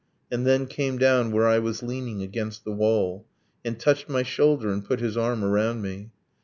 and then came down Where I was leaning against the wall, And touched my shoulder, and put his arm around me